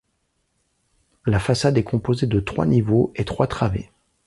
La façade est composée de trois niveaux et trois travées.